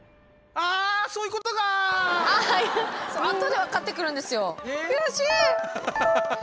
あとで分かってくるんで。